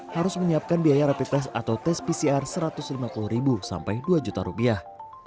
harus menyiapkan biaya rapid test atau tes pcr satu ratus lima puluh ribu sampai dua juta rupiah